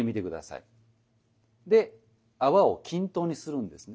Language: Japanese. で泡を均等にするんですね。